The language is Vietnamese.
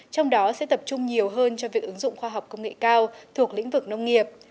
trong đó sẽ tập trung nhiều hơn cho việc ứng dụng khoa học công nghệ cao thuộc lĩnh vực nông nghiệp